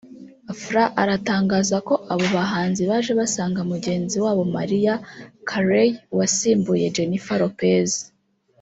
fr aratangaza ko abo bahanzi baje basanga mugenzi wabo Mariah Carey wasimbuye Jennifer Lopez